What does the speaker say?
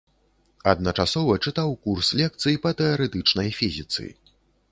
Адначасова чытаў курс лекцый па тэарэтычнай фізіцы.